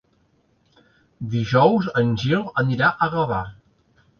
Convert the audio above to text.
Dijous en Gil anirà a Gavà.